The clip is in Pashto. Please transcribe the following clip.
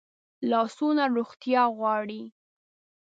لاسونه روغتیا غواړي